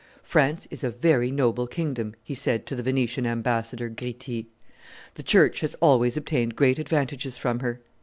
"France is a very noble kingdom," he said to the Venetian ambassador Gritti; "the church has always obtained great advantages from her.